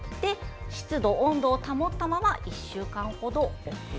湿度、温度を保ったまま１週間ほど置いておく。